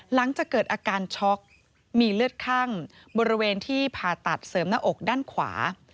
หลังจากเกิดอาการช็อกมีเลือดคั่งบริเวณที่ผ่าตัดเสริมหน้าอกด้านขวา